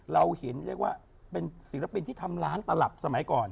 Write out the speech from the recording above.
เราเห็นเรียกว่าเป็นศิลปินที่ทำร้านตลับสมัยก่อน